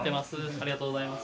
ありがとうございます。